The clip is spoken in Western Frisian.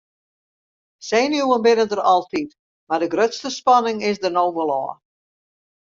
Senuwen binne der altyd mar de grutste spanning is der no wol ôf.